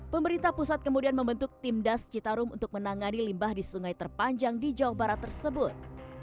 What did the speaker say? pemerintah pusat kemudian membentuk tim das citarum untuk menangani limbah di sungai terpanjang di jawa barat tersebut